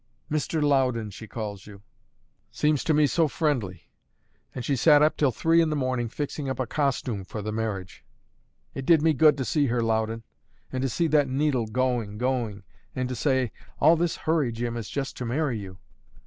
'Mr. Loudon,' she calls you; seems to me so friendly! And she sat up till three in the morning fixing up a costume for the marriage; it did me good to see her, Loudon, and to see that needle going, going, and to say 'All this hurry, Jim, is just to marry you!'